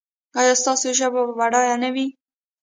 ایا ستاسو ژبه به بډایه نه وي؟